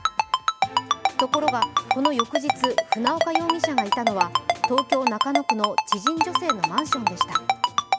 ところがこの翌日、船岡容疑者がいたのは東京・中野区の知人女性のマンションでした。